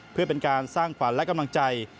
เพื่อเป็นการสร้างขวัญและกำลังใจ